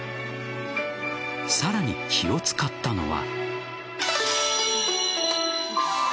さらに気を使ったのは。